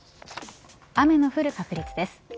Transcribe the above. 雨の降る確率です。